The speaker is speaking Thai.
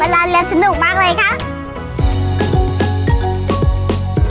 เวลาเรียนสนุกมากเลยครับ